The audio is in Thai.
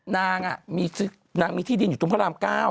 นางมีที่ดินอยู่ตรงพระราม๙